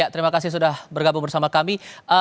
terima kasih sudah bergabung bersama kami